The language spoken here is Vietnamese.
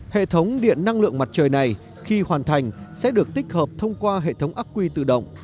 hệ thống điện năng lượng mặt trời này khi hoàn thành sẽ được tích hợp thông qua hệ thống ác quy tự động